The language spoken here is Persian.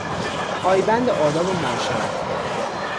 پایبند آداب معاشرت